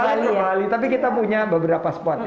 balai balai tapi kita punya beberapa spot ya